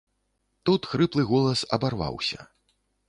Тут хрыплы голас абарваўся.